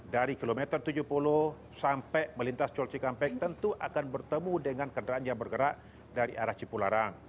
dari kilometer tujuh puluh sampai melintas tol cikampek tentu akan bertemu dengan kendaraan yang bergerak dari arah cipularang